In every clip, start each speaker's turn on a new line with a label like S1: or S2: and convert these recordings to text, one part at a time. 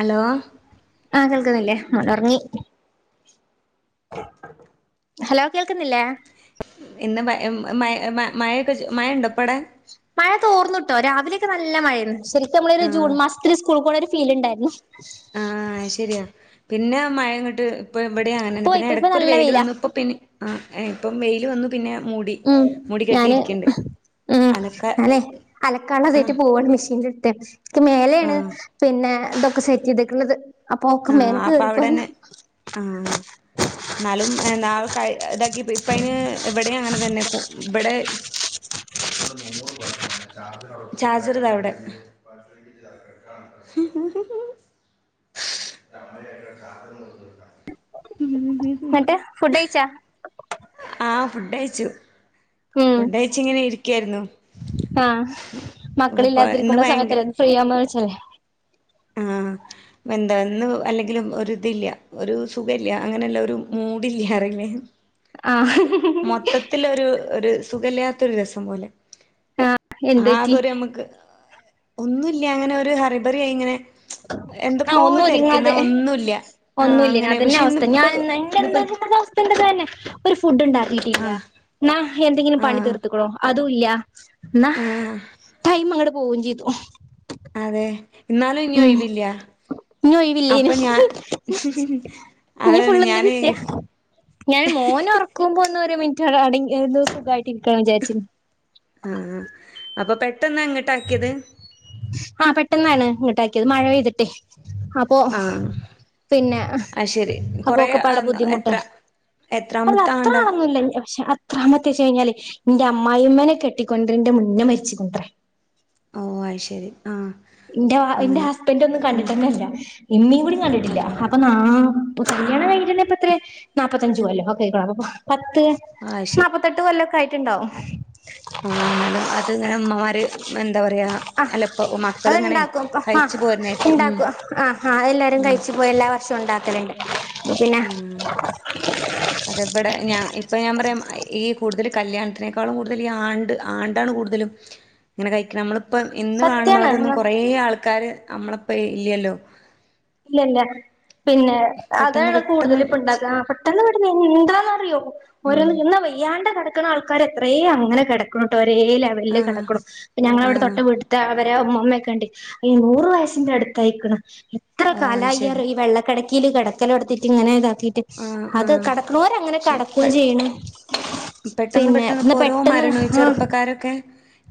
S1: Hello
S2: ആഹ് കേൾക്കുന്നില്ലേ മോനൊറങ്ങി ഹലോ കേൾക്കുന്നില്ലേ
S1: ഇന്ന് മ മഴൊക്കെ മഴയ്ണ്ടോ ഇപ്പവ്ടെ
S2: മഴ തോർന്നുട്ടോ രാവിലെയൊക്കെ നല്ല മഴയാർന്ന് ശെരിക്കും നമ്മള് ഒരു ജൂൺ
S1: ആഹ്
S2: മാസത്തില് സ്കൂൾ പോണോരു ഫീല്ണ്ടായിരുന്നു
S1: ആഹ് ശരിയാ പിന്നെ മഴയങ്ങോട്ട് ഇപ്പം ഇവിടെ അങ്ങനെ തന്നെ
S2: ഇപ്പൊ
S1: പിന്നെ
S2: ഇപ്പ ഇപ്പൊ
S1: ഇടക്കൊരു
S2: നല്ല
S1: വെയില്
S2: വെയിലാ
S1: വന്നു ഇപ്പോ പിന്നെ ആഹ് ഇപ്പം വെയില് വന്നു പിന്നെ മുടി
S2: ഉം
S1: മുടി
S2: ഞാന്
S1: കെട്ടിയിരിക്ക്ണ്ട് അലക്ക
S2: അലക്കാളം അതീട്ട്
S1: ആഹ്
S2: പോവയാണ് മെഷീൻന്റെ അടുത്തനിക്ക് മേലെയാണ്
S1: ആഹ്
S2: പിന്നെ ഇതൊക്കെ സെറ്റ് ചെയ്തിട്ടുള്ളത് അപ്പൊ ഒാക്ക
S1: ആഹ്
S2: മേലെക്ക്
S1: അപ്പ
S2: കേറിപ്പോരണം.
S1: അവിടെന്നെ ആഹ്. ഇന്നാലും ഇതാക്കി ഇപ്പയ്ന് ഇവിടിം അങ്ങനെ തന്നെ ഇബെടെ ചാർജർ ഇതാ ഇവെടെ. [inaudible] [unintelligible] [unintelligible] [unintelligible]
S2: ഇന്നട്ട് ഫുഡ് കയ്ച്ചോ.
S1: ആഹ് ഫുഡ് കയ്ച്ചു.
S2: ഉം ആഹ്
S1: അപ്പ ഇന്ന്
S2: മക്കളില്ലാതിരിക്കുമ്പള്ള
S1: ഭയങ്കര
S2: സമയത്തല്ലെ പ്രിയമ വെച്ചെല്ലെ
S1: ആഹ് വെന്താ ഇന്ന് അല്ലെങ്കിലും ഒര് ഇതില്യ. ഒരു സുഖല്ല്യ. അങ്ങനെല്ല ഒരു മൂടില്ല്യറീലെ.
S2: ആഹ്
S1: മൊത്തത്തില് ഒരു ഒരു സുഖല്ലാത്ത ഒരു രസം പോലെ.
S2: ആഹ് എന്ത്
S1: ആകെ
S2: പറ്റി
S1: ഒരു ഞമ്മക്ക് ഒന്നുല്ല്യ. അങ്ങനെ ഒരു ഹറിബറി ആയി ഇങ്ങനെ
S2: ആഹ്
S1: എന്തൊക്കോ
S2: ഒന്നും
S1: തിരക്കുന്നാ
S2: ഒതുങ്ങാതെ.
S1: ഒന്നുല്ല
S2: ഒന്നു
S1: ആഹ്
S2: ഇല്ലേയ്നിം.
S1: അങ്ങനെ
S2: അതന്നെ
S1: പക്ഷെ
S2: അവസ്ഥ
S1: ഇന്നിപ്പ
S2: ഞാൻ എ
S1: ഇന്നിപ്പ
S2: [unintelligible] [unintelligible] ഇത് തെന്നെ ഒരു ഫുഡ് ഇണ്ടാക്കീട്ടില്ല.
S1: ആഹ്
S2: ഇന്നാ എന്തെങ്കിലും പണി
S1: ആഹ്
S2: തീർത്ത്ക്ക്ണോ അതും ഇല്ല. ഇന്നാ
S1: ആഹ്
S2: ടൈം അങ്ങട് പോവും ചെയ്തു.
S1: അതെ ഇന്നാലും ഇഞ്ഞ് ഒഴിവില്യ.
S2: ഇഞൊയ് വില്ലേയ്നു ഇഞ്
S1: അതാണ്
S2: ഫുള്ള് ഇന്ന്
S1: ഞാന്
S2: ബിസ്യ ഞാൻ മോനെ ഒറക്കുമ്പൊ ഒന്ന് ഒരു മിനിറ്റ് അ ഒരു സുഖായിട്ട് ഇരിക്കാന്ന് വിചാരിച്നി
S1: ആഹാ അപ്പൊ പെട്ടെന്ന ഇങ്ങട്ട് ആക്കിയത്.
S2: ആഹ് പെട്ടെന്നാണ്. ഇങ്ങട്ടാക്കിയത് മഴ പെയ്തിട്ടെ. അപ്പൊ
S1: ആഹ്
S2: പിന്നെ.
S1: അത് ശരി
S2: അപ്പൊ
S1: കൊറേ
S2: ഒക്കെ
S1: ആ,
S2: പാടെ
S1: എത്ര
S2: ബുദ്ധിമുട്ടണെ. അല്ല
S1: എത്രാമത്തെ
S2: അത്ര
S1: ആണ്ടാ
S2: ആളൊന്നുല്ല. പക്ഷെ എത്രാമത്തെ ചോയ്ച്ച് കഴിഞ്ഞാലെ ഇന്റെ അമ്മായിമ്മനെ കെട്ടിക്കൊണ്ടരീന്റെ മുന്നേ മരിച്ക്ണെത്രെ
S1: ഓഹ് ആഹ് ശെരി ആഹ്
S2: ഇന്റെ എന്റെ
S1: അങ്ങനെ
S2: ഹസ്ബൻറ് ഒന്നും
S1: ഉം
S2: കണ്ടിട്ടന്നെല്ല. ഇമ്മീകൂടി കണ്ടിട്ടില്ല അപ്പൊ നാ ഇപം കല്യാണം കഴിഞ്ഞിട്ടെന്നെ ഇപ്പ എത്രേ. നാപ്പത്തഞ്ച് കൊല്ലോക്കെ ആയ്ക്കാണും. അപ്പൊ പത്ത്
S1: ആഹ് ശരി
S2: ന്നാപ്പ എട്ടുകൊല്ലൊക്കെ ആയിട്ട്ണ്ടാവും.
S1: ആഹ് ഇന്നാലും അത് ഇങ്ങനെ ഉമ്മമാര് എന്താ പറയാ
S2: ആ
S1: അലപ്പോ മക്ക
S2: അത് ഇണ്ടാക്കും ആഹ് ഇണ്ടാക്കും. ആഹ് ആഹ്. എല്ലാരും
S1: ഉം
S2: കഴിച്ചു പോയി എല്ലാ വർഷവും ഉണ്ടാക്കല്ണ്ട്.
S1: ഉം
S2: [inaudible]
S1: അതെ ഇബെടെ. ഞാൻ ഇപ്പൊ ഞാൻ പറയാം. ഈ കൂടുതല് കല്യാണത്തിനേക്കാളും കൂടുതൽ ഈ ആണ്ട് ആണ്ടാണ് കൂടുതലും ഇങ്ങനെ കഴിക്ക് ണെ നമ്മള് ഇപ്പം എന്ന് കാണ്ന്നോലൊന്നും
S2: സത്യാണ്
S1: കൊറേ ആൾക്കാര് നമ്മള്പ്പ ഇല്യല്ലോ
S2: ഇല്ല ഇല്ല. പിന്നെ
S1: പെട്ടെന്ന്
S2: അതാണ്
S1: പെട്ടെന്ന്
S2: കൂടുതലു ഇപ്പ
S1: മച്ച്
S2: ഇണ്ടാക്കാ ആ പെട്ട് പെട്ടെന്ന് പെട്ടന്ന് എന്താന്ന്റിയോ
S1: ഉം
S2: ഓരോന്ന് വെയ്യാണ്ട കെട ആൾക്കാര് എത്രേ അങ്ങനെ കെടക്ക്ണ് ട്ടോ ഒരേ ലെവല് ല്
S1: ആഹ്
S2: കെടക്കുണു. ഇപ്പം ഞങ്ങവിടെ തൊട്ട
S1: ആഹ്
S2: വീട്ട് അവരെ ഉമ്മമ്മമ്മെക്കണ്ട്. ഈ നൂറ് വയസ്സിന്റെ അടുത്തയിക്ക്ണ്. എത്ര
S1: ഓഹ് അത് ശരി
S2: കാലായറ്യാെ ഈ വെള്ളത്തി കെടക്കീല് കെടക്കലോടുത്തിട്ട് ഇങ്ങനെ ഇതാക്കിട്ട്
S1: ആഹ്
S2: അത്
S1: ആഹ്
S2: കടക്കോണരങ്ങനെ
S1: ശെ പെ
S2: കടക്കയും ചെയ്യും
S1: പെട്ടെന്ന്
S2: പിന്നെ
S1: പെട്ടെന്ന്
S2: എന്നാ
S1: ഇപ്പോ ഓരോ
S2: പെട്ടെന്ന്
S1: മരണവും ഈ
S2: ആഹ്
S1: ചെറുപ്പക്കാരൊക്കെ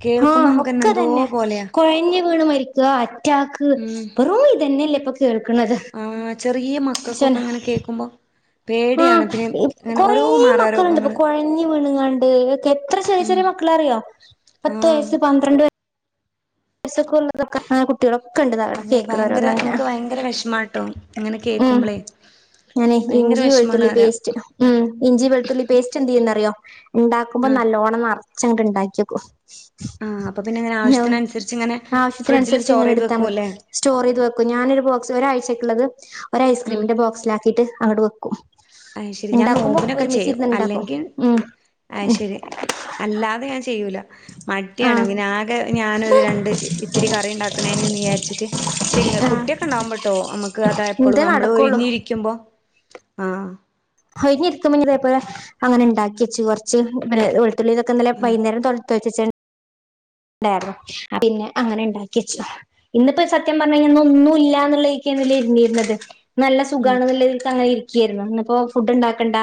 S1: കേൾക്കുമ്പോ
S2: ആഹ്
S1: നമുക്കന്നെ എന്തോ
S2: അപ്പൊത്തന്നേ
S1: പോലെയാ
S2: കുഴഞ്ഞ് വീണ് മരിക്കുക അറ്റാക്ക്
S1: ഉം
S2: വെറും ഇത് തന്നെയല്ലേ കേൾക്കണത്
S1: ആഹ് ചെറിയ മക്കക്കൊക്കെ
S2: പടച്ചോനെ
S1: ഇങ്ങനെ കേക്കുമ്പോ
S2: ആഹ്
S1: പേടിയാണ് പിന്നെ അങ്ങനെ
S2: കൊറേ
S1: ഓരോ മാറാ
S2: മക്കളുണ്ട് ഇപ്പൊ
S1: രോഗങ്ങള്
S2: കൊഴഞ്ഞ് വീണങ്ങാണ്ട് ഒക്കെ എത്ര ചെറിയ
S1: ഉം
S2: ചെറിയ മക്കളാ അറിയോ പത്ത്
S1: ആഹ്
S2: വയസ്സ് പന്ത്രണ്ട് വ യസൊക്കെ ഒള്ളെ അതൊക്കെ അങ്ങനെ കുട്ടികളൊക്കെ ഇണ്ട് ഇതങ്ങനെ
S1: അതെ
S2: കേക്കണ
S1: ഭയങ്കര
S2: ഓരോന്ന് അങ്ങനെ
S1: നമുക്ക് ഭയങ്കര വിഷമാട്ടോ ഇങ്ങനെ
S2: ഉം
S1: കേക്കുമ്പളേ
S2: ഞാനെ
S1: ഭയങ്കര
S2: ഇഞ്ചി
S1: വിഷമാണ്
S2: വെളുത്തുള്ളി
S1: പറയാ
S2: പേസ്റ്റ് ഉം ഇഞ്ചി വെളുത്തുള്ളി പേസ്റ്റ് എന്ത് ചെയ്യൂന്ന് അറിയോ ഉണ്ടാക്കുമ്പോ
S1: ആഹ്
S2: നല്ലോണ്ണം നറ ച്ചങ്ങട്ട് ഇണ്ടാക്കി വെക്കും
S1: ആഹ് അപ്പ പിന്നെ അങ്ങനെ ആവശ്യത്തിന് അനുസരിച്ച് ഇങ്ങനെ
S2: ആവശ്യത്തിന്
S1: ഫ്രിഡ്ജില്
S2: അനുസരിച്ച്
S1: സ്റ്റോർ
S2: ഇങ്ങനെ
S1: ചെയ്ത്
S2: എടുത്താ മ
S1: വെക്കൂല്ലേ
S2: സ്റ്റോറ് ചെയ്ത് വെക്കും ഞാനൊരു ബോക്സ് ഒരാഴ്ചയ്ക്കുള്ളത് ഒരു
S1: ഉം
S2: ഐസ്ക്രീമിന്റെ ബോക്സിലാക്കീട്ട് അങ്ങട്ട് വെക്കും
S1: അത് ശെരി ഞാൻ
S2: ഇണ്ടാക്കുമ്പോ
S1: നോമ്പിനൊക്കെ ചെയ്യും
S2: ഒരുമിച്ചിരുന്ന് ഇണ്ടാക്കും
S1: അല്ലെങ്കിൽ
S2: ഉം
S1: അത് ശെരി അല്ലാതെ ഞാൻ ചെയ്യൂല മടി ആണ് പിന്നെ ആ കെ ഞാനൊരു
S2: ആഹ്
S1: രണ്ട് ഇത്തിരി കറി ഇണ്ടാക്കണേനേന്ന് വിചാരിച്ചിട്ട് പക്ഷെ ഇങ്ങ
S2: ആഹ്
S1: കുട്ടിയൊക്കെ ഉണ്ടാകുമ്പട്ടോ നമ്മുക്ക് അത എപ്പളും
S2: ഇതേ
S1: നമ്മള്
S2: നടക്കുള്ളൂ
S1: ഒഴിഞ്ഞ് ഇരിക്കുമ്പോ ആഹ്
S2: ഒഴിഞ്ഞിരിക്കുമ്പോ ഇതേപോലെ അങ്ങനെ ഉണ്ടാക്കി വെച്ച് കൊറച്ച് പെ വെ ളുത്തുളളീ ഇതൊക്കെ ഇന്നലെ
S1: ആഹ്
S2: വൈകുന്നേരം തൊലിച്ച് വെച്ചേച്ച് ണ്ടായിരുന്നു അപ്പൊ പിന്നെ അങ്ങനെ ഉണ്ടാക്കി വച്ച് ഇന്നിപ്പോ സത്യം പറഞ്ഞാ കഴിഞ്ഞാ ഒന്നും ഇല്ലാന്നുള്ള രീതിക്കാണല്ലോ ഇരുന്നിരുന്നത് നല്ല
S1: ഉം
S2: സുഖാണെന്നുളള ഒരു ഇതിക്കങ്ങനെ ഇരിക്കയായിരുന്നു ഇന്നിപ്പോഫുഡ് ഉണ്ടാക്കണ്ട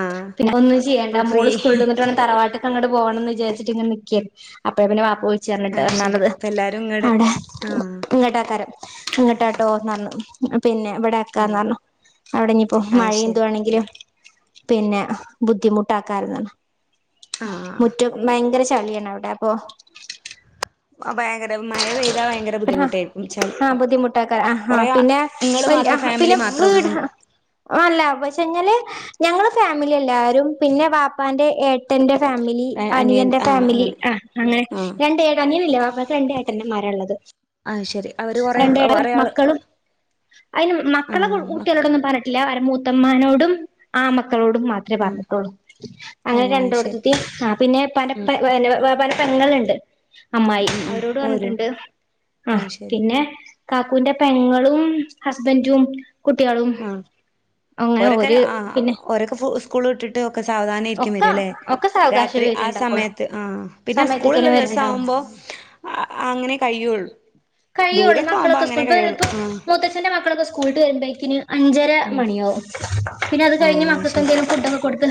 S1: ആഹ്
S2: പിന്നെ ഒന്നും
S1: ഫുൾ
S2: ചെയ്യണ്ട
S1: ഫ്രീ
S2: മോള് സ്കൂള് വിട്ട് വന്നിട്ട് വേണം തറവാട്ടി അങ്ങോട്ട് പോകണം എന്ന് വിചാച്ചിട്ടിങ്ങനെ നിക്കയാ അപ്പത്തേനും വാപ്പ
S1: ആഹ് ശരി ഇപ്പ എല്ലാരും
S2: [unintelligible]
S1: ഇങ്ങട്
S2: അവിടെ
S1: ആഹ്
S2: ഇങ്ങട്ടേകാരം ഇങ്ങട്ടാട്ടോ എന്ന് പറഞ്ഞു പിന്നെ ഇവിടെ ആക്കാന്ന്
S1: ആഹ്
S2: പറഞ്ഞു അവിടെ ഇനി ഇപ്പോ
S1: അത്
S2: മഴയും
S1: ശരി
S2: ഇതും ആണെങ്കിലും പിന്നെ ബുദ്ധിമുട്ടാക്ക [unintelligible]
S1: ആഹ്
S2: മുറ്റം ഭയങ്കര ചളിയാണവിടെ ഓഹ്
S1: ആഹ് ഭയങ്കര മഴ പെയ്താ ഭയങ്കര ബുദ്ധിമുട്ടായിരിക്കും ചളി
S2: ആ ബുദ്ധിമുട്ടാക്കാ
S1: കുറെ ആ
S2: പിന്നെ
S1: നിങ്ങള്
S2: വല്യ
S1: മാത്രം ഫാമിലി
S2: പിന്നെ
S1: മാ ത്രേയുള്ളൂ
S2: വീട് അല്ല പക്ഷെ എന്നാല് ഞങ്ങള് ഫാമിലി എല്ലാരും പിന്നെ വാപ്പാന്റെ ഏ ട്ടൻ്റെ ഫാമിലി
S1: അനിയൻ
S2: അനിയന്റെ
S1: ആഹ്
S2: ഫാമിലി
S1: അങ്ങനെ
S2: ആഹ് അങ്ങനെ
S1: ആഹ്
S2: രണ്ട് ഏ അനിയനില്ല വാപ്പാ രണ്ട് ഏട്ടൻ്റെ മാരാ ഉള്ളത്
S1: അത് ശരി അവര് കൊറേ
S2: രണ്ട്
S1: കൊറേ ആള്
S2: മക്കളും അയ്ന് മക്കളെ
S1: ആഹ് മക്ക
S2: കുട്ടികളോടൊന്നും പറ ഇല്ലാവരെ മൂത്തമ്മാനോടും ആൺ മക്കളോടും മാ ത്രവേ
S1: ആഹ്
S2: പറഞ്ഞിട്ടൊള്ളൂ അങ്ങനെ
S1: ഓഹ് അത് ശരി
S2: രണ്ടോടുത്തേത്തെയും പിന്നെ ഉപ്പാന്റെ
S1: ഉം
S2: പെ വെ പല പെങ്ങളുണ്ട്
S1: ഉം
S2: അമ്മായി
S1: ഉം ഉം
S2: അവരോട്
S1: ഓരും
S2: പറഞ്ഞിട്ടുണ്ട് ആ
S1: അത്
S2: പി
S1: ശരി
S2: ന്നെ കാക്കൂന്റെ പെങ്ങളും ഹസ്ബൻഡും കുട്ടികളും
S1: ആഹ്
S2: അങ്ങനെ
S1: ഓരൊക്കെ
S2: ഓര്
S1: ആ
S2: പിന്നെ
S1: ഓരൊക്കെ ഫൂ സ് സ്കൂള്ട്ടിട്ട് ഒക്കെ സാവധാനയാര്ക്കും
S2: ഒക്കെ
S1: വര ലേ.
S2: ഒക്കെ സാവകാശം
S1: രാത്രി ആ
S2: വരുണ്ടാവുള്ളു
S1: സമയത്ത് ആഹ് പിന്നെ സ്കൂള്
S2: സമയത്തക്കനെ വരുന്നുണ്ടാവും
S1: ള്ളദിവസാവുമ്പോ. അ അങ്ങനെ കയ്യൊള്ളു.
S2: കയൊള്ളൂ മക്കളൊക്കെ സ്കൂൾ പ്പഇപ്പം
S1: ആ
S2: മൂത്തച്ഛന്റെ മക്കളൊക്കെ സ്കൂള്ട്ട് വരുമ്പോക്കിന്. അഞ്ചര
S1: ഉം
S2: മണിയാവും. പിന്നെ അത്
S1: ആ
S2: കഴിഞ്ഞ് മക്കൾക്കെന്തെങ്കലും ഫുഡൊക്കെ കൊട്ത്ത്.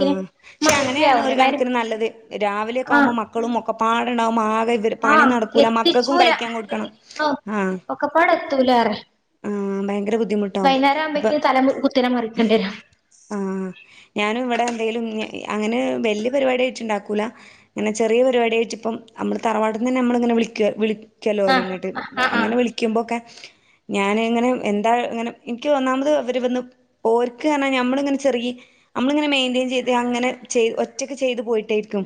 S1: ആഹ്, ക്ഷെ അങ്ങനെയാണ് ഒരു
S2: മഗ്‌രി
S1: കണക്കിന് നല്ലത്. രാവിലെക്കാകു മ്പോ
S2: ആഹ്
S1: മക് ക്കളും ഒക്കെപ്പാടണ്ടാവുംമ്പൊ ആകെവര് പണി
S2: ആഹ്
S1: നടക്കൂല മക്കക്കും
S2: എത്തിച്ചൂല
S1: കഴിക്കാൻ കൊട്ക്കണം ആഹ്.
S2: ഒക്കെപ്പാടെത്തൂലറ,
S1: ഭയങ്കര ബുദ്ധിമുട്ടാവും
S2: വൈന്നേരാ
S1: ഇപ്പൊ
S2: വുമ്പേക്ക് തല മു കുത്തനെ മറിക്കണ്ട്യ രും. ഹും
S1: ആഹ് ഞാന് വടെ എന്തേലും അങ്ങനെ വല്യ പരിപാടായ്റ്റ്ണ്ടാക്കൂല. ങ്ങനെ ചെറിയ പരിപാടായ്റ്റ് പ്പം അമ്മള് തറവാട്ട്ന്നന്നെ മ്മള്ങ്ങനെ വിളകൊ വിളിക്കല്ലോ
S2: ആഹ്
S1: ഓലെങ്ങട്ട്. ഉം
S2: ആഹ് ആഹ്
S1: അങ്ങനെ വിളിക്കുമ്പോക്കെ ഞന്ങ്ങനെ എന്താങ്ങനെ ഇൻക്ക് ഒന്നാമത് അവര് വന്ന് ഓര്ക്ക്ർഞ ഞമ്മള്ങ്ങനെ ചെറീ നമ്മള്ങ്ങനെ മെയിന്റെയിൻ ചെയ്ത് അങ്ങനെ ചെയ് ഒറ്റക്ക് ചെയ്ത് പോയിട്ടേയ്ര്ക്കും.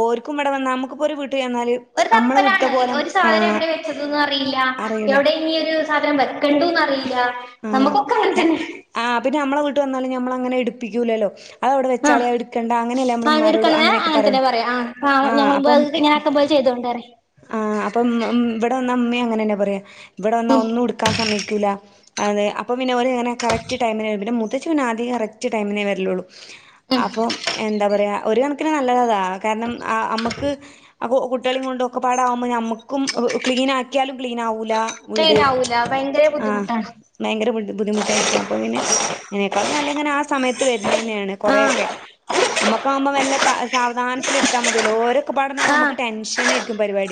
S1: ഓര്ക്കുംവടെ വന്നാ നമുക്ക്പ്പോ ഒരു വീട്ട്ചെന്നാല്.
S2: ഒരു തപ്പലാണ് ഒരു സാധനം എവിടെ വെച്ചത് ന്നുംഅറിയില്ല എവിടെ ഇനി ഒരു സാധനം വെക്കണ്ടു
S1: ഉം ആഹ് ഞ ആ പിന്നെ മ്മളെ വീട്ട് വന്നാലും ഞമ്മളങ്ങനെ ടുപ്പിക്കൂലല്ലോ. അത് അവിടെ വെച്ചാളി
S2: ആഹ്
S1: അതെടുക്കണ്ട അങ്ങനെല്ലേ നമ്മള്
S2: ആഹ് എടുക്കണ
S1: ഉമ്മാരോടും അങ്ങനൊക്കെ
S2: അങ്ങനെ
S1: പറയു, ആഹ് അപ്പം.
S2: [unintelligible] പോയ് ചെയ്തോണ്ട് പറയ്
S1: ആ അപ്പൊ ഇമ്മമ്മ ഇവടെ വന്ന ഇമ്മേം അങ്ങനെന്ന പറയാ ഇവിട വന്നാ ഒന്നും ഇട്ക്കാൻ സമ്മ ക്ക്ല അത് അപ്പം പിന്നെ ഒരെങ്ങനെ കറക്റ്റ് ടൈമിന് വരും. പിന്നെ മുത്തച്ചി പിന്നെ ആദ്യെ കറക്റ്റ് ടൈമിനേ വരലോള്ളൂ അപ്പം എന്താ പറയാ ഒരു കണക്കിന് നല്ലതതാ. കാരണം ആ അമ്മക്ക് അപ്പോ കുട്ട്യാളേംകൊണ്ടൊക്കെ പാ ടാകുമ്പോ ഞമ്മക്കും ക്ലീനാക്കിയാലും ക്ലീനാവൂലാ വീട്
S2: ല്ല ഭയങ്കര
S1: ആഹ്
S2: ബുദ്ധിമുട്ടാണ്.
S1: ഭയങ്കര ബുദ് ബുദ്ധിമുട്ടായിരിക്കും അപ്പോ പിന്നെ അയ്നേക്കാളു നല്ലങ്ങനാ സമയത്ത് വര്നെന്നാണ്
S2: ആഹ്
S1: കൊറേയൊക്കെ അമ്മക്കാവുമ്പോ മെല്ല ത സാവധാനത്തില് ഇട്ത്താമതിയല്ലോ ഓരോ
S2: ആഹ്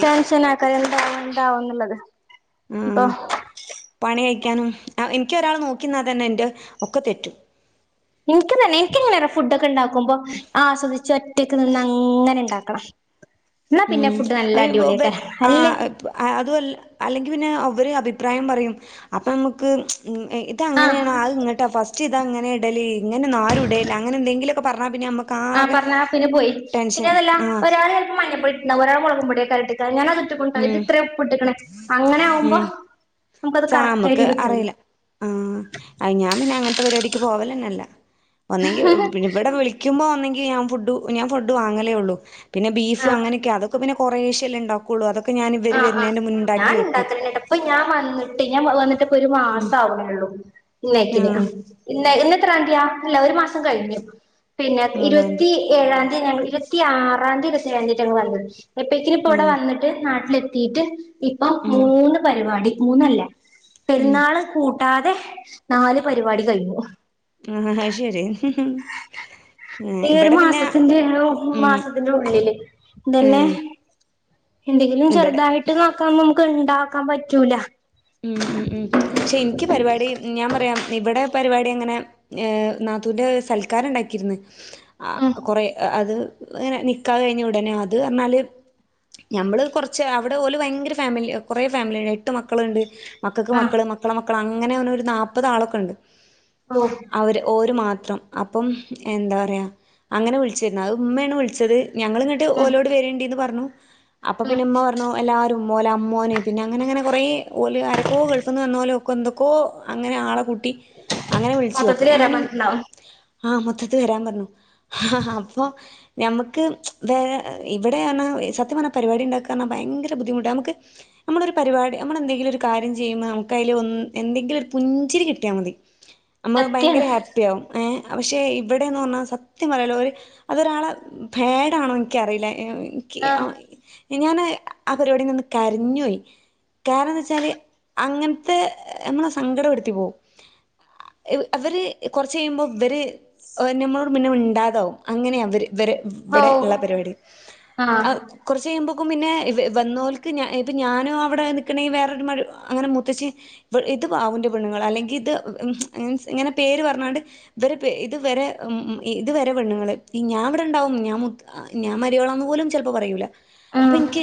S2: ടെൻഷനാക്കല്ലേ എന്താവു ന്താവുന്നുള്ളത് ഇപ്പോ
S1: ആഹ് പണി കയിക്കാനും അ ഇൻക്കൊരാള് നോക്കിന്നാതന്നെ ന്റെ ഒക്കെ തെറ്റും
S2: ഇനിക്കും തന്നെ ഇനിക്കിങ്ങനെറിയോ ഫുഡോക്കെ ണ്ടാക്കുമ്പോ ആസ്വദിച് റ്റക് നിന്നങ്ങനെണ്ടാക്കണം. ന്നാ പിന്നെ
S1: ഉം
S2: ഫുഡ് നല്ല അടിപൊള്യക്കരം. ഹല്ലേ
S1: അഅതുവല് അല്ലെങ്കി പിന്നെ അവര് അഭിപ്രായം പറയും അപ്പമ്മക്ക്
S2: ആഹ്
S1: അതങ്ങനെണോ അവ് ഇങ്ങട്ടാ ഫസ്റ്റ്ത ങ്ങനെടല് ഇങ്ങനൊന്നും ആരുടെയില്ല അങ്ങനെന്തെങ്കിലൊക്കെ പറഞാ പിന്നമ്മക്ക്
S2: ആഹ പറഞാപിന്ന പോയി. പിന്നതല്ല
S1: ആഹ്
S2: ഒരാള് ചെലപ്പ മഞ്ഞപ്പൊടിഇട്ട്ണ്ടാവും ഒരാള്മൊളകുപൊടിയാക്കരം ഇട്ട്ക്കാ. അങ്ങനെ ട്ട്ക്ക്ണ്ട്ടൊ ഇജ്ജ്
S1: ഉം
S2: ത്ര ഉപ്പ് ഇട്ട്ക്ക്ണ് അങ്ങനെയാവുമ്പോ
S1: ഉം
S2: നമുക്കത് കറക്റ്റായി
S1: സാമക്ക്
S2: ട്ട് കിട്ടൂല
S1: അറിയില്ല ആഹ് അ ഞാ പിന്നങ്ങനത്തെ പരിപാടിക്ക് പോവലന്നല്ല ഒന്നെങ്കി ഇവ് ഇവടെ വിളിക്കുമ്പോ ഒന്നെങ്കി ഞാൻ ഫുഡ് ഞാൻ ഫുഡ് വാങ്ങലേള്ളു പിന്നെ
S2: ആഹ്
S1: ബീഫ്അങ്ങനെക്കെ അതൊക്കെ പിന്നെ കുറേശെല്ലേണ്ടാ
S2: ആഹ് ആഹ്
S1: വെക്കും
S2: ഞാന്ണ്ടാക്കലെന്നാട്ടാ പ്പ ഞാ വന്ന്ട്ട് ഞാൻ വന്നിട്ട് ഒരു
S1: ഉം
S2: മാസാവ്ണെള്ളൂ. ഇന്നേക്കിന്
S1: ആഹ്
S2: ഇന്ന ഇന്നെത്രാന്തിയാ അല്ല ഒരു മാസം കഴിഞ്ഞു പിന്നെ
S1: മൂന്നാംതി
S2: ഇരുവത്തി ഏഴാന്തി ഞങ്ങള് ഇരുപത്തി ആറാന്തിയേറ്റെ ഞങ്ങ വന്നത്. എപ്പേക്കിനിപ്പവടെ
S1: ആഹ്
S2: വന്നിട്ട് നാ ത്തീട്ട് ഇപ്പ
S1: ഉം
S2: മൂന്ന് പരിപാടിമൂന്നല്ല
S1: ഉം
S2: പെരുന്നാള് കൂട് ട്ടാതെ നാല് പരിപാടി കയ്ഞ്ഞു.
S1: ആഹ് ആഹ് അയ് ശരി
S2: ഈ ഒരു
S1: ഇവിടെ പിന്നെ
S2: മാസത്തിന്റെ
S1: ഉം
S2: മാസത്തിന്റുള്ളില് തന്നെ
S1: ഉം
S2: എന്തെങ്കിലും
S1: ഇവിടെ
S2: ചെറുതായിട്ട് നോക്കാ നമുക്ക് ഉണ്ടാക്കാൻ പറ്റൂല
S1: ഉം ഉം ഉം ക്ഷെ ഇനിക്ക് പരിപാടി ഞാൻ പറയാം ഇവിടെ പരിപാടി അങ്ങനെ ഏഹ് നാത്തൂന്റെ സൽക്കാരണ്ടാക്കിരുന്ന് ആ
S2: ഉം
S1: കൊറെ അത് അങ്ങനെ നിക്കാഹ് കഴിഞ്ഞ ഉടനെ അത് എന്നു പറഞ്ഞാല് ഞമ്മള് കൊറച്ച് അവിടെ ഓല് ഭയങ്കര ഫാമില്യോ കൊറേ ഫാമിലിണ്ട് എട്ട് മക്കളുണ്ട് മക്കൾക്ക്
S2: ആഹ്
S1: മക്കള് മക്കളുടെ മക്കള് അങ്ങനെ ഒരു നാല്പതാളൊക്കെ ഉണ്ട്
S2: ഓ
S1: അവര് ഓര് മാത്രം അപ്പം എന്താ പറയാ അങ്ങനെ വിളിചീരുന്ന് അത് ഉമ്മയാണ് വിളിച്ചത് ഞങ്ങള് ഇങ്ങോട്ട് ഓലോട് വരണ്ടിന്ന് പറഞ്ഞു അപ്പം പിന്നെ ഉമ്മ പറഞ്ഞ് ണ് എല്ലാരും ഓലമ്മോന് പിന്നെ അങ്ങനെ അങ്ങനെ കൊറേ ഓല് ആരോക്കോ ഗൾഫ്ന്ന് വന്നപോലെ ഓക്ക് എന്തോക്കെ അങ്ങനെ ആളെ കൂട്ടി അങ്ങനെ വിളിച്ചു അപ്പം
S2: മൊത്തത്തില് വരാൻ
S1: ഞാനും
S2: പറഞ്ഞിട്ടുണ്ടാവും
S1: ആഹ് മൊത്തത്തിൽ വരാൻ പറഞ്ഞു ആഹ് ആഹ് അപ്പൊ ഞമ്മക്ക് വേ ഇവിടെ ആണോ സത്യം പറഞ്ഞാ പരിപാടി ഉണ്ടാക്കായെന്നു പറഞ്ഞാ ഭയങ്കര ബുദ്ധിമുട്ടാ നമ്മൾക്ക് നമ്മള് ഒര് പരിപാടി നമ്മളെന്തെ ങ്കിലൊരുകാര്യം ചെയ്യുമ്പോൾ നമ്മക്കയ്ല് ഒന് എന്തെങ്കിലൊരു പുഞ്ചിരി കിട്ടിയാ മതി അമ്മ
S2: സത്യാണ്
S1: ഭയങ്കര ഹാപ്പി ഹാപ്പിയാവും ഏഹ് പക്ഷേ ഇവിടെന്നൊന്ന് പറഞ്ഞാ സത്യം പറയാല്ലോ ഒര് അതൊരാളെ ബാടാണോനിക്കറിയില്ല ഏഹ് ക്ക് യാ
S2: ആഹ്
S1: മിനിഞ്ഞാന്ന് ആ പരിപാടിന്ന് കരഞ്ഞു പോയി കാരണമെ ച്ചാല് അങ്ങനത്തെ ഞമ്മളെ സങ്കടപെടുത്തി പോവും ആ ഇവര് കൊറച്ച് കഴിയുമ്പോ ഇവര് നമ്മളോട് പിന്നെ മിണ്ടാതാവും. അങ്ങനെയാ അവര് ഇവര്
S2: ഓ
S1: ഇവിടെ ഉള്ള പരിപാടി
S2: ആഹ്
S1: ആ കുറച്ച് കഴിയുമ്പോൾക്കും പിന്നെ വന്നോൾക്ക് ഞ ഇപ്പം ഞാനും അവിടെ നിൽക്കണങ്കിൽ വേറെ മ്മൾ അങ്ങനെ മുത്തേച്ചി ഇത് അവന്റെ പെണ്ണുങ്ങൾ അല്ലെങ്കിൽ ഇത് മിൻസ് ഇങ്ങനെ പേര് പറഞ്ഞാണ്ട് ഇവര് പേ ഇതുവരെ ഇതുവരെ പെണ്ണുങ്ങള് ഈ ഞാൻ ഇവിടെണ്ടാവും ഞാൻ മുത്ത് ആ ഞാൻ മരിയാളോന്ന് പോലും ചിലപ്പോ പറയൂല. അപ്പം
S2: ആഹ്
S1: എനിക്ക്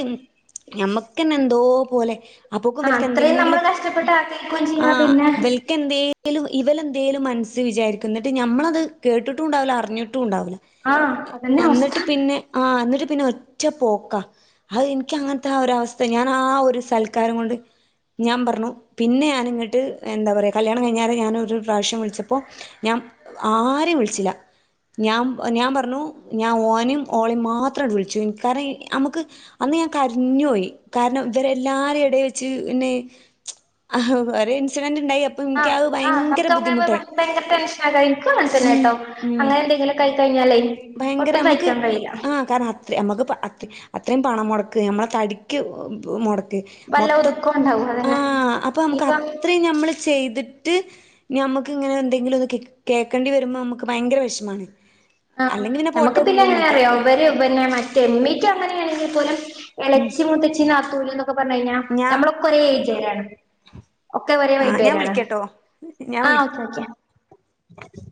S1: ഞമ്മക്ക് തന്നെ എന്തോ പോലെ അപ്പൊക്ക്
S2: ആഹ്
S1: ഇവൽക്ക്
S2: അത്രയും
S1: എന്തെങ്കിലും
S2: നമ്മള് കഷ്ടപ്പെട്ട് ആഗ്രഹിക്കുകയും ചെയ്യ
S1: ആഹ്
S2: പിന്നെ
S1: ഇവ ക്ക് എന്തേലും ഇവലെന്തേലും മനസ്സ് വിചാരിക്കും എന്നിട്ട് നമ്മളത് കേട്ടിട്ടും ഉണ്ടാവില്ല അറിഞ്ഞിട്ടും ഉണ്ടാവില്ല
S2: ആഹ് അതന്നെ അവസ്ഥ
S1: എന്നിട്ട് പിന്നെ ആഹ് എന്നിട്ട് പിന്നെ ഒറ്റ പോക്കാ ആഹ് എനിക്ക് അങ്ങനെത്തെ ആ ഒരു അവസ്ഥ ഞാൻ ആ ഒരു സ്ഥല കാരം കൊണ്ട് ഞാൻ പറഞ്ഞു പിന്നെ ഞാനിങ്ങോട്ട് എന്താ പറയാ കല്യാണം കഴിഞ്ഞാൽ ഞാനൊരു പ്രാവശ്യം വിളിച്ചപ്പോൾ ഞാൻ ആരെയും വിളിച്ചില്ല ഞാൻ ഞാൻ പറഞ്ഞു ഞാൻ ഓനും ഓളയും മാത്രമായിട്ടാ വിളിച്ചത് കാരണം നമ്മക് അന്ന് ഞാൻ കരഞ്ഞു പോയി. കാരണം ഇവരെല്ലാരു ടെ മുമ്പിൽ വെച്ച് പിന്നെ ആഹ് ഒരു ഇൻസിഡന്റ് ഉണ്ടായി
S2: ആ
S1: എനിക്ക് അത്
S2: ആഹ്
S1: ഭയങ്കര
S2: നമുക്ക് അങ്ങനെ
S1: ബുദ്ധിമുട്ടായി
S2: ഭയങ്കര ടെൻഷൻ ഇരിക്ക എനിക്ക്
S1: ഉം
S2: മനസിലായിട്ടോ
S1: ഉം
S2: അങ്ങനെ എന്തെങ്കിലും ക്കായി കഴിഞ്ഞാലെ
S1: ഭയങ്കര നമുക്ക് ആ കാറ റ്റ് നമുക്ക് അത്ര അത്രയും പണം മുടക്ക് നമ്മളെ തടിക്ക് മുടക്ക്
S2: വല്ല
S1: മൊത്തം
S2: ഒതുക്കം ഉണ്ടാവും അതന്നെ
S1: ആഹ് അപ്പൊ നമുക്ക്
S2: ഇനിപ്പം
S1: അത്രയും നമ്മള് ചെയ്തിട്ട് ഞമ്മക്ക് ഇങ്ങനെ എന്തെങ്കിലും ഒന്ന് കേക്ക് കേക്കണ്ടി വരുമ്പോ അമക്ക് ഭയങ്കര വെഷ്മാണ്
S2: ആഹ് ഞമക്ക് പിന്നെ എങ്ങനെ അറിയോ ഇവര് പന്നെ മറ്റെ മീറ്റുഅങ്ങനെണെങ്കി പോലും
S1: ഉം
S2: എളേച്ചി മുത്തച്ചി നാത്തൂന് ക്കൊ പർഞ്ഞയ്ഞ്ഞാ
S1: ഞാൻ
S2: ഞമ്മളൊക്കൊരേ ഏജേരാണ് ഒക്കെ ഒരേ
S1: ആ ഞാൻ
S2: വൈബേരാണ്
S1: വിളിക്കട്ടോ ഞാൻ വിളി
S2: ആഹ് ഓക്കെ ഓക്കെ